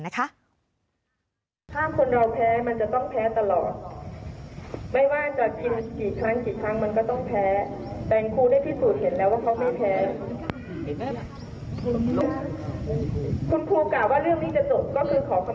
ห้ามคนเราแพ้มันจะต้องแพ้ตลอด